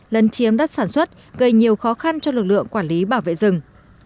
lấn chiếm đất sản xuất gây nhiều khó khăn cho lực lượng quản lý bảo vệ rừng